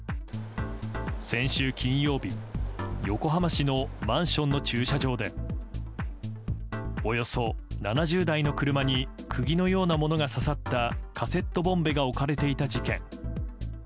先週金曜日横浜市のマンションの駐車場でおよそ７０台の車に釘のようなものが刺さったカセットボンベが置かれていた事件。